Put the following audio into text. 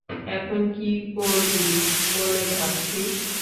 এখন কী করবি বলে ভাবছিস?